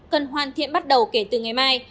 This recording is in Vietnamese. cần hoàn thiện bắt đầu kể từ ngày mai